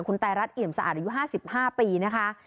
คุณไตรัสเอี่ยมสะอาดอายุ๕๕ปีนะคะ